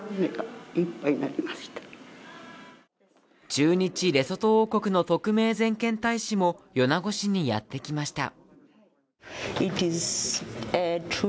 駐日レソト王国の特命全権大使も米子市にやってきました。